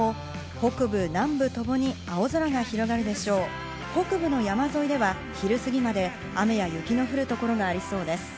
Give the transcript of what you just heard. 北部の山沿いでは昼すぎまで雨や雪の降る所がありそうです。